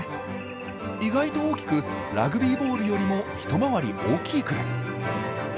意外と大きくラグビーボールよりも一回り大きいくらい。